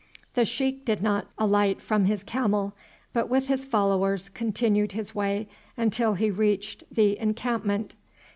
The sheik did not alight from his camel, but with his followers continued his way until he reached the encampment.